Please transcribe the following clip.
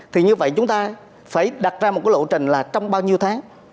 thì như vậy chúng ta phải đặt ra một cái lộ trình là trong bao nhiêu tháng